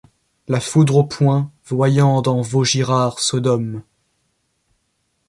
La foudre au poing, voyant dans Vaugirard Sodome